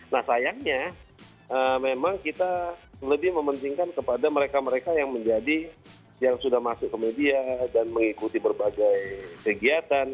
nah sayangnya memang kita lebih mementingkan kepada mereka mereka yang menjadi yang sudah masuk ke media dan mengikuti berbagai kegiatan